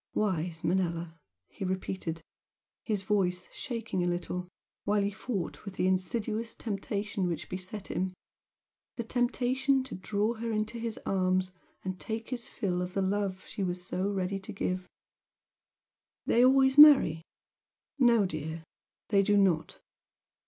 "Wise Manella!" he repeated, his voice shaking a little, while he fought with the insidious temptation which beset him, the temptation to draw her into his arms and take his fill of the love she was so ready to give "They always marry? No dear, they do NOT!